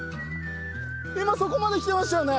今そこまで来てましたよね？